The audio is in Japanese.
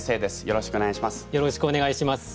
よろしくお願いします。